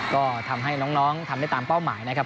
ก็ทำให้น้องทำได้ตามเป้าหมายนะครับ